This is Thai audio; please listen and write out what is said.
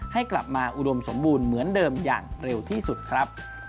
ให้กลับมาอุดมสมบูรณ์เหมือนเดิมอย่างเร็วที่สุดครับ